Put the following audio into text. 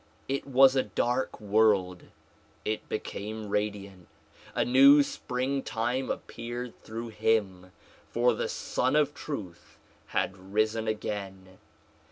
It was a dark world ; it became radiant. A new spring time appeared through him, for the Sun of Truth had risen again.